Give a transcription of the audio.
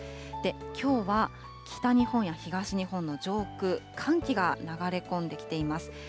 きょうは北日本や東日本の上空、寒気が流れ込んできています。